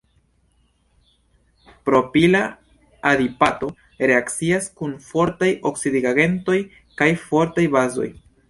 Propila adipato reakcias kun fortaj oksidigagentoj kaj fortaj bazoj.